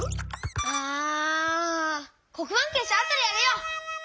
ああこくばんけしあとでやるよ！